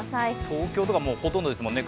東京とかはほとんどですもんね